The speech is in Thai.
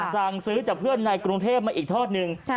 สั่งซื้อจากเพื่อนในกรุงเทพมาอีกทอดหนึ่ง